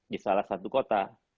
di salah satu kota